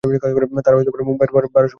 তারা মুম্বইয়ের বারসবায় বসবাস করেন।